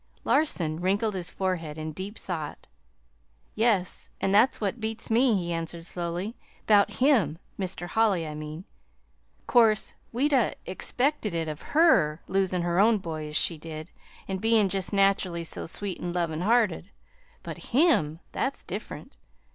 Larson winkled his forehead in deep thought. "Yes; an' that's what beats me," he answered slowly; "'bout HIM, Mr. Holly, I mean. 'Course we'd 'a' expected it of HER losin' her own boy as she did, an' bein' jest naturally so sweet an' lovin' hearted. But HIM that's diff'rent.